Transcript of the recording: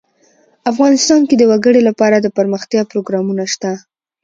افغانستان کې د وګړي لپاره دپرمختیا پروګرامونه شته.